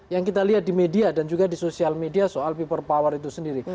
yang kita lihat di media dan juga di sosial media soal people power itu sendiri